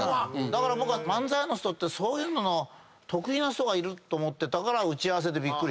だから僕は漫才の人ってそういうの得意な人がいると思ってたから打ち合わせでびっくりしたわけだ。